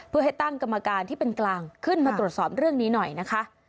เพื่อให้ตั้งกรรมการที่เป็นกลางขึ้นมาตรวจสอบเรื่องนี้หน่อยนะคะ